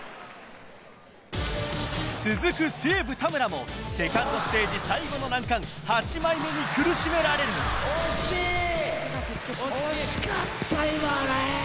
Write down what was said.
続く西武・田村もセカンドステージ最後の難関８枚目に苦しめられる惜しい。